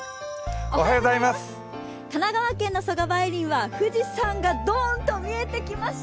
神奈川県の曽我梅林は富士山がドンと見えてきました。